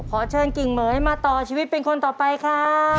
ขอเชิญกิ่งเหม๋ยมาต่อชีวิตเป็นคนต่อไปครับ